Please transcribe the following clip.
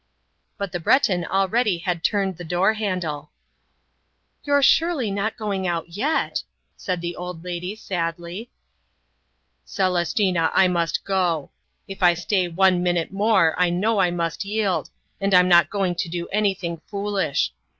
But the Breton already had turned the door handle, "You're surely not going out yet!" said the old lady sadly. "Celestina, I must go! If I stay one minute more I know I must yield, and I'm not going to do anything foolish.